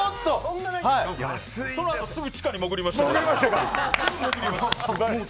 そのあとすぐ地下に潜りました。